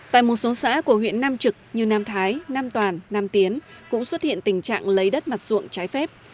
tại một số xã của huyện nam trực như nam thái nam toàn nam tiến cũng xuất hiện tình trạng lấy đất mặt ruộng trái phép